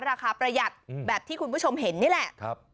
ประหยัดแบบที่คุณผู้ชมเห็นนี่แหละ